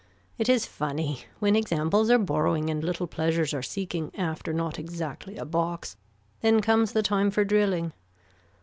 It is funny. When examples are borrowing and little pleasures are seeking after not exactly a box then comes the time for drilling.